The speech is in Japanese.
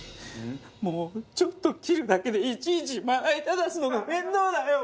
もうちょっと切るだけでいちいちまな板出すのが面倒だよ